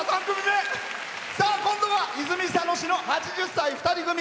今度は泉佐野市の８０歳２人組。